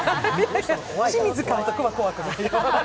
清水監督は怖くない。